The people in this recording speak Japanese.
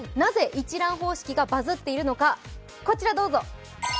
なぜ一蘭方式がバズっているのか、こちらどうぞ。